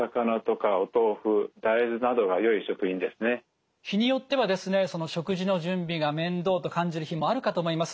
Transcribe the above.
基本的には日によっては食事の準備が面倒と感じる日もあるかと思います。